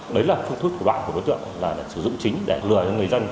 đấy là phương thức của đoạn của đối tượng là sử dụng chính để lừa những người dân